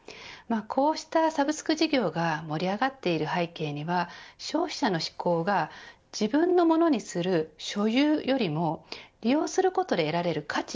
こうしたサブスク事業が盛り上がっている背景には消費者の志向が自分のものにする所有よりも利用することで得られる価値